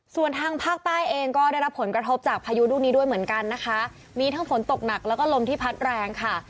ส่วนทางภาคใต้เองก็ได้รับผลกระทบจากพายุลูกนี้ด้วยเหมือนกันนะคะมีทั้งฝนตกหนักแล้วก็ลมที่พัดแรงค่ะ